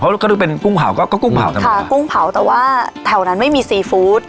เพราะก็ดูเป็นกุ้งเผาก็กุ้งเผาค่ะกุ้งเผาแต่ว่าแถวนั้นไม่มีซีฟู้ด